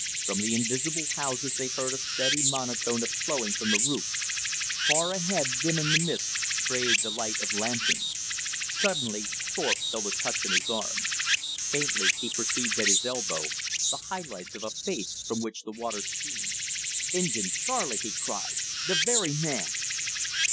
From the invisible houses they heard a steady monotone of flowing from the roofs. Far ahead, dim in the mist, sprayed the light of lanterns. Suddenly Thorpe felt a touch on his arm. Faintly he perceived at his elbow the high lights of a face from which the water streamed. "Injin Charley!" he cried, "the very man!"